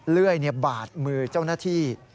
เลื่อยบาดมือเจ้าหน้าที่